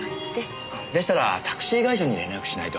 でしたらタクシー会社に連絡しないと。